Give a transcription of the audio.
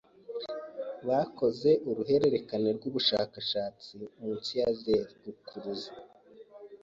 Bakoze urukurikirane rwubushakashatsi munsi ya zeru rukuruzi.